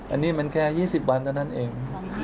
อันนี้มันแค่๒๐วันเท่านั้นเอง